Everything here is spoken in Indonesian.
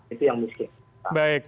itu yang miskin